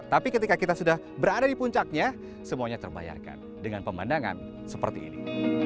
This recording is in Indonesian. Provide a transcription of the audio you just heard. tapi ketika kita sudah berada di puncaknya semuanya terbayarkan dengan pemandangan seperti ini